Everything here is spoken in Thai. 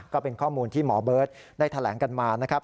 ก็เป็นข้อมูลที่หมอเบิร์ตได้แถลงกันมานะครับ